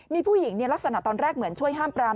มีผู้หญิงลักษณะตอนแรกเหมือนช่วยห้ามปราม